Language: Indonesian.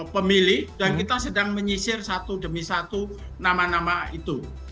pemilih dan kita sedang menyisir satu demi satu nama nama itu